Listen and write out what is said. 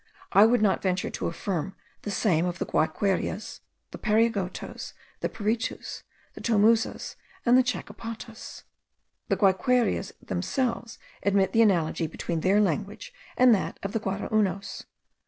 I would not venture to affirm the same of the Guayqueries, the Pariagotos, the Piritus, the Tomuzas, and the Chacopatas. The Guayquerias themselves admit the analogy between their language and that of the Guaraunos.